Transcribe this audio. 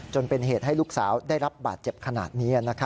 จนเป็นเหตุให้ลูกสาวได้รับบาดเจ็บขนาดนี้